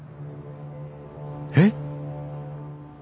えっ！？